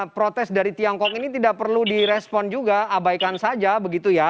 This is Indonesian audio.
protes dari tiongkok ini tidak perlu direspon juga abaikan saja begitu ya